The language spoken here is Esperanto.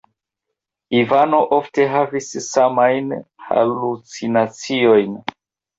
Ivano ofte havis samajn halucinaciojn.